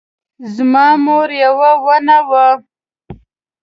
زما مور یوه ونه وه